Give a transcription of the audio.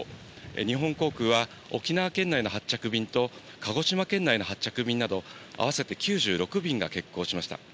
日本航空は沖縄県内の発着便と鹿児島県内の発着便など、合わせて９６便が欠航しました。